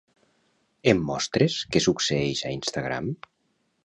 Em mostres què succeeix a Instagram?